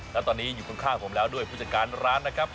และตอนนี้อยู่ข้างผมแล้วด้วยผู้จัดการร้านนะครับ